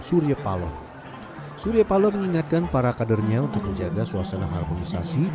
surya paloh surya paloh mengingatkan para kadernya untuk menjaga suasana harmonisasi